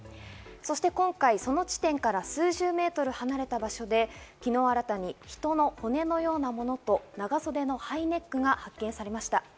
そして今回、その地点から数十メートル離れた場所で昨日、新たに人の骨のようなものと長袖のハイネックが発見されました。